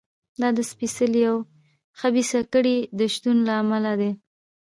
دا د سپېڅلې او خبیثه کړۍ د شتون له امله دی.